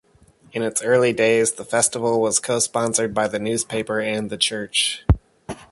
In its early days, the festival was cosponsored by the newspaper and the church.